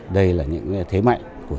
đây là những thế mạnh